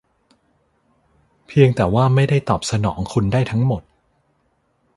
เพียงแต่ว่าไม่ได้ตอบสนองคุณได้ทั้งหมด